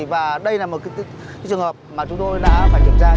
và đây là một trường hợp mà chúng tôi đã phải kiểm tra